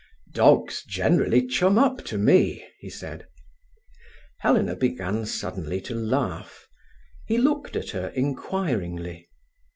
"Dogs generally chum up to me," he said. Helena began suddenly to laugh. He looked at her inquiringly.